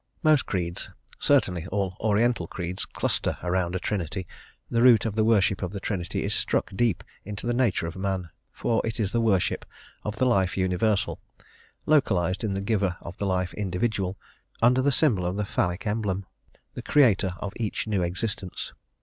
Most creeds, certainly all Oriental creeds, cluster around a Trinity; the root of the worship of the Trinity is struck deep into the nature of man, for it is the worship of the life universal, localised in the giver of the life individual, under the symbol of the phallic emblem, the creator of each new existence.